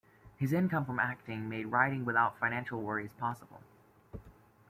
His income from acting made writing without financial worries possible.